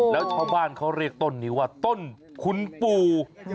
แล้วชาวบ้านเขาเรียกต้นนี้ว่าต้นคุณปู่